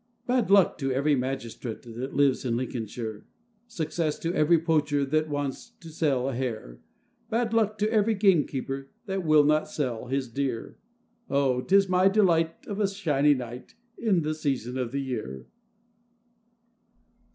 Bad luck to every magistrate that lives in Lincolnsheer; Success to every poacher that wants to sell a hare; Bad luck to every gamekeeper that will not sell his deer:— Oh! 'tis my delight of a shiny night, in the season of the year.